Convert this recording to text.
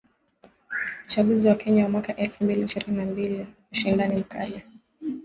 Uchaguzi wa Kenya wa mwaka elfu mbili ishirini na mbili: ushindani mkali.